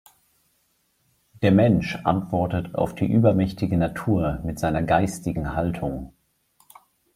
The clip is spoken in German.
Der Mensch antwortet auf die übermächtige Natur mit seiner geistigen Haltung.